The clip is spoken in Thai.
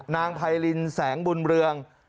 ไพรินแสงบุญเรือง